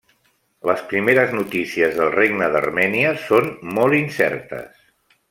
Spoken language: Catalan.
Les primeres notícies del Regne d'Armènia són molt incertes.